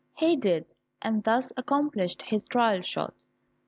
He did it, and thus accomplished his trial shot.